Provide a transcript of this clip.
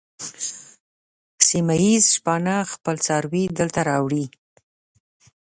سیمه ییز شپانه خپل څاروي دلته راوړي.